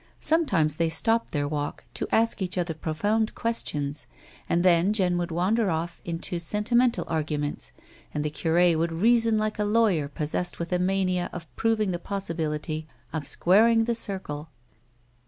Sometimes they stopped their walk to ask each other profound questions, and then Jeanue would wander off into sentimental argu ments, and the cure would reason like a lawyer possessed with the mania of proving the possibility of squaring the circle.